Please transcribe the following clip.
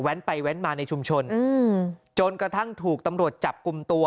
ไปแว้นมาในชุมชนอืมจนกระทั่งถูกตำรวจจับกลุ่มตัว